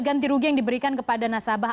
ganti rugi yang diberikan kepada nasabah